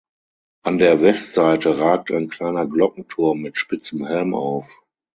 An der Westseite ragt ein kleiner Glockenturm mit spitzem Helm auf.